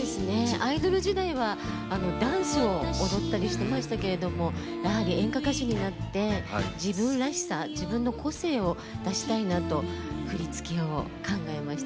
アイドル時代はダンスを踊ったりしてましたけどもやはり、演歌歌手になって自分らしさ自分の個性を出したいなと振り付けを考えました。